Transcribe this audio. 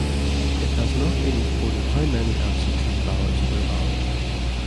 It has not been reported how many absentee ballots were valid.